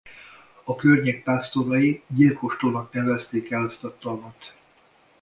A környék pásztorai Gyilkos-tónak nevezték el ezt a tavat.